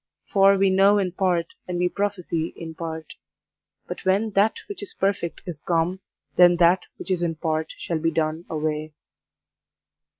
For we know in part, and we prophesy in part. But when that which is perfect is come, then that which is in part shall be done away.